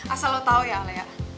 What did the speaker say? asal lo tau ya allea